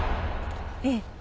ええ。